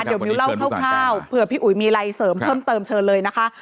เดี๋ยวมิวเล่าคร่าวเผื่อพี่อุ๋ยมีอะไรเสริมเพิ่มเติมเชิญเลยนะคะ